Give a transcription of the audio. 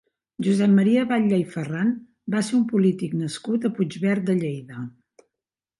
Josep Maria Batlle i Farran va ser un polític nascut a Puigverd de Lleida.